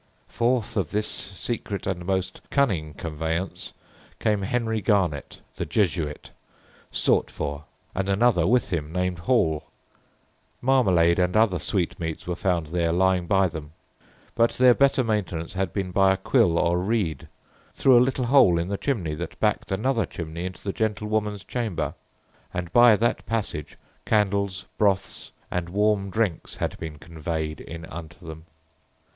"Forth of this secret and most cunning conveyance came Henry Garnet, the Jesuit, sought for, and another with him, named Hall; marmalade and other sweetmeats were found there lying by them; but their better maintenance had been by a quill or reed, through a little hole in the chimney that backed another chimney into the gentlewoman's chamber; and by that passage candles, broths, and warm drinks had been conveyed in unto them.